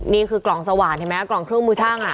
นี่คือกล่องสว่านเห็นไหมกล่องเครื่องมือช่างอ่ะ